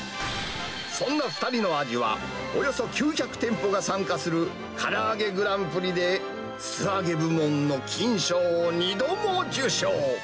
そんな２人の味は、およそ９００店舗が参加するからあげグランプリで素揚げ部門の金賞を２度も受賞。